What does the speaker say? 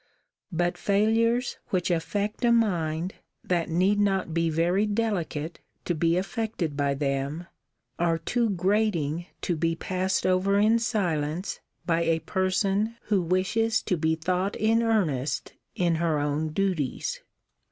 But failures which affect a mind that need not be very delicate to be affected by them, are too grating to be passed over in silence by a person who wishes to be thought in earnest in her own duties.